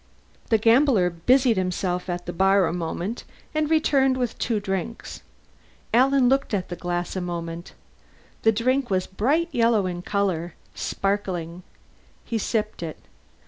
The gambler busied himself at the bar a moment and returned with two drinks. Alan looked at the glass a moment: the drink was bright yellow in color, sparkling. He sipped it.